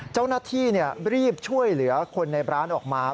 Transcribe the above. เจ้าหน้าที่รีบช่วยเหลือคนในร้านออกมา